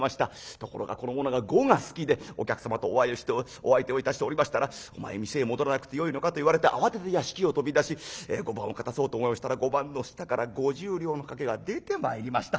ところがこの者が碁が好きでお客様とお相手をいたしておりましたら『お前店へ戻らなくてよいのか？』と言われて慌てて屋敷を飛び出し碁盤を片そうと思いましたら碁盤の下から５０両の掛けが出てまいりました。